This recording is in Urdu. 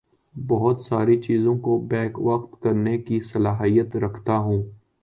بہت ساری چیزوں کو بیک وقت کرنے کی صلاحیت رکھتا ہوں